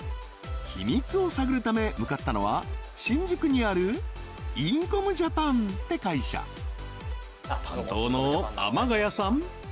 秘密を探るため向かったのは新宿にあるインコム・ジャパンって会社担当の天賀谷さん